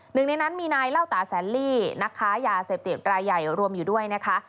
หนึ่งในนั้นมีนายเล่าตาแสนลี่นักค้ายาเสพติดรายใหญ่รวมอยู่ด้วยนะคะ